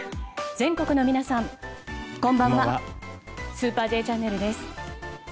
全国の皆さん、こんばんは「スーパーＪチャンネル」です。